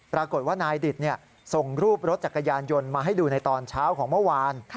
ปรากฏว่านายดิตส่งรูปรถจักรยานยนต์มาให้ดูในตอนเช้าของเมื่อวาน